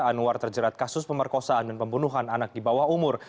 anwar terjerat kasus pemerkosaan dan pembunuhan anak di bawah umur